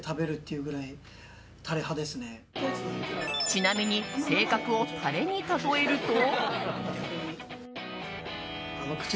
ちなみに性格をタレに例えると？